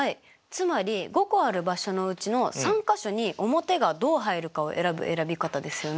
つまり５個ある場所のうちの３か所に表がどう入るかを選ぶ選び方ですよね。